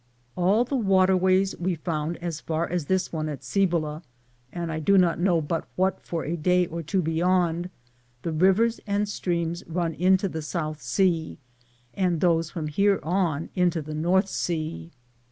All the waterways we found as far as this one at Cibola — and I do not know but what for a day or two beyond — the rivers and streams run into the South sea, and those from here on into the North sea.